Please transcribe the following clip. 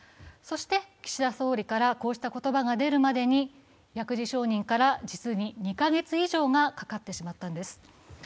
そして岸田総理からこうした言葉が出るまでに、薬事承認から実に２カ月以上がかかってしまったんです。